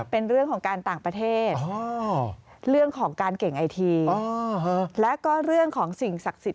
เป็นเรื่องของการต่างประเทศเรื่องของการเก่งไอที